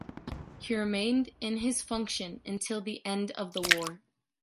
He remained in his function until the end of the war.